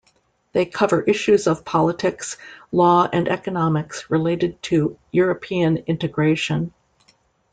They cover issues of politics, law and economics related to European integration.